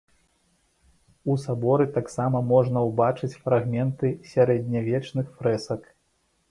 У саборы таксама можна ўбачыць фрагменты сярэднявечных фрэсак.